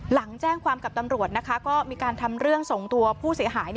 หลังแจ้งความกับตำรวจนะคะก็มีการทำเรื่องส่งตัวผู้เสียหาย